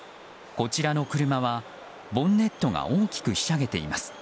こちらの車は、ボンネットが大きくひしゃげています。